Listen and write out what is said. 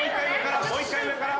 もう１回上から。